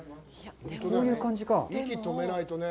こういう感じか。